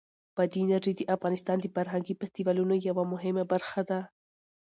بادي انرژي د افغانستان د فرهنګي فستیوالونو یوه مهمه برخه ده.